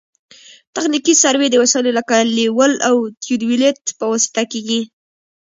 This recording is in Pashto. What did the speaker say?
تخنیکي سروې د وسایلو لکه لیول او تیودولیت په واسطه کیږي